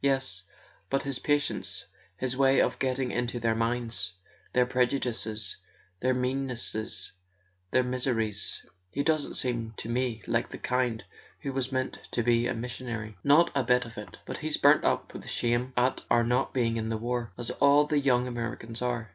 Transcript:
"Yes; but his patience, his way of getting into their minds, their prejudices, their meannesses, their mis¬ eries ! He doesn't seem to me like the kind who was meant to be a missionary." "Not a bit of it. .. But he's burnt up with shame at our not being in the war—as all the young Americans are."